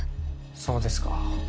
そうですか。